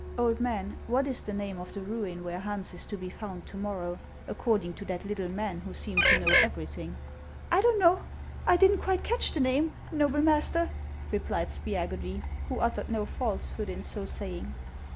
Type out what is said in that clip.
" Old man, what is the name of the ruin where Hans is to be found to morrow, according to that little man who seemed to know everything ?"" I don't know ; I did n't quite catch the name, noble master," replied Spiagudry, who uttered no falsehood in so saying.